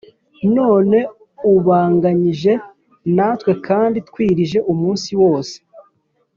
none ubanganyije natwe kandi twirije umunsi wose